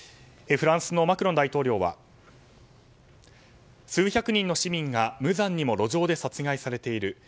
フランスのマクロン大統領は数百人の市民が無残にも路上で殺害されている。